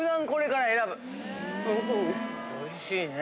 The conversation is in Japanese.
おいしいね。